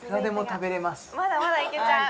まだまだいけちゃう？